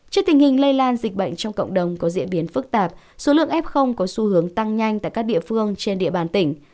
trước tình hình lây lan dịch bệnh trong cộng đồng có diễn biến phức tạp số lượng f có xu hướng tăng nhanh tại các địa phương trên địa bàn tỉnh